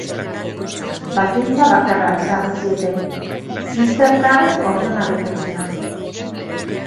Baldintza bakarra ezarri zieten: zistertar ordena betetzea.